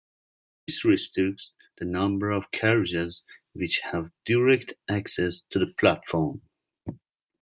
This restricts the number of carriages which have direct access to the platform.